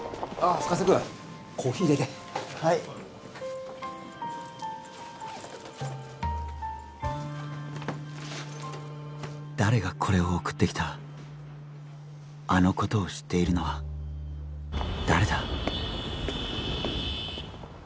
深瀬君コーヒー入れてはい誰がこれを送ってきたあのことを知っているのは誰だ？